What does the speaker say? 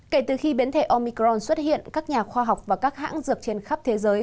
kể từ khi biến thể omicron xuất hiện các nhà khoa học và các hãng dược trên khắp thế giới